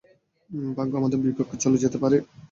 ভাগ্য আমাদের বিপক্ষে চলে যেতে পারে।